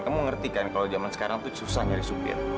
kamu ngerti kan kalau zaman sekarang tuh susah nyari supir